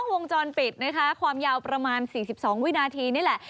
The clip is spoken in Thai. วงจรปิดนะคะความยาวประมาณ๔๒วินาทีนี่แหละ